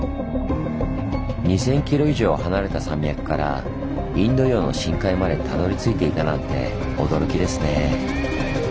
２，０００キロ以上離れた山脈からインド洋の深海までたどりついていたなんて驚きですねぇ。